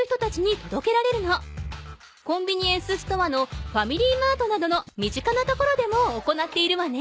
コンビニエンスストアのファミリーマートなどの身近な所でも行っているわね。